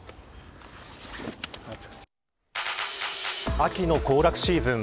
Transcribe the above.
秋の行楽シーズン